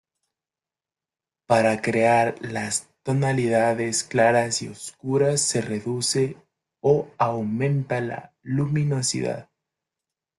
Para crear las tonalidades claras y oscuras, se reduce o aumenta la luminosidad.